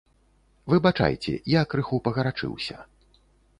Выбачайце, я крыху пагарачыўся.